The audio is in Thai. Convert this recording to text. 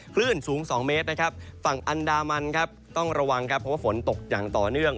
คลื่นสูง๒เมตรนะครับฝั่งอันดามันครับต้องระวังครับเพราะว่าฝนตกอย่างต่อเนื่อง